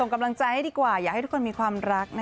กำลังใจให้ดีกว่าอยากให้ทุกคนมีความรัก